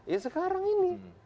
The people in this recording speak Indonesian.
ya sekarang ini